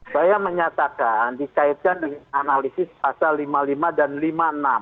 saya menyatakan dikaitkan dengan analisis pasal lima puluh lima dan lima puluh enam